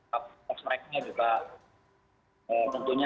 hat tricknya juga tentunya